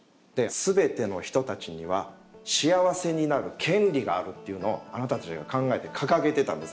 全ての人たちには幸せになる権利があるっていうのをあなたたちが考えて掲げてたんです